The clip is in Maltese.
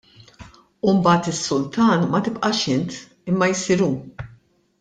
U mbagħad is-sultan ma tibqax int imma jsir Hu.